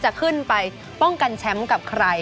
จะขึ้นไปป้องกันแชมป์กับใคร